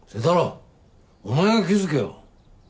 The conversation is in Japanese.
お前が気づけよ。